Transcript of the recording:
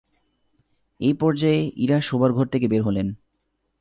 এই পর্যায়ে ইরা শোবার ঘর থেকে বের হলেন।